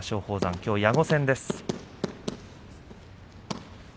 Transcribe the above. きょう、矢後戦です。